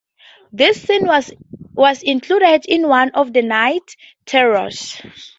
This scene was included in one of the night terrors.